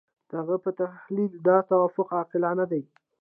د هغه په تحلیل دا توافق عقلاني دی.